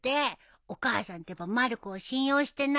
お母さんってばまる子を信用してないね。